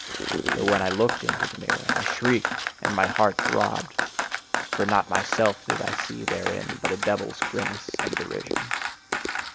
But when I looked into the mirror, I shrieked, and my heart throbbed: for not myself did I see therein, but a devil's grimace and derision.